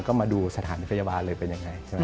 ก็มาดูสถานพยาบาลเลยเป็นอย่างไร